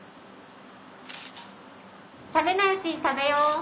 ・冷めないうちに食べよう。